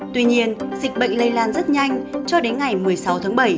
tuy nhiên dịch bệnh lây lan rất nhanh cho đến ngày một mươi sáu tháng bảy